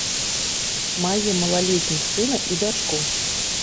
Мае малалетніх сына і дачку.